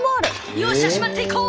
よっしゃ締まっていこう！